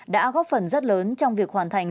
đã góp phần rất lớn trong việc hoàn thành